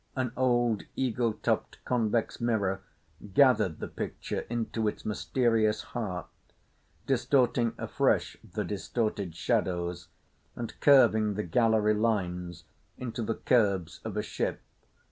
An old eagle topped convex mirror gathered the picture into its mysterious heart, distorting afresh the distorted shadows, and curving the gallery lines into the curves of a ship.